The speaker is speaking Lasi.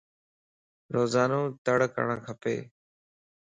روزانو تڙ ڪرڻ کپ